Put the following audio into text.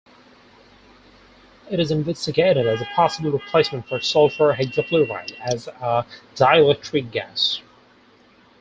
It is investigated as a possible replacement for sulfur hexafluoride as a dielectric gas.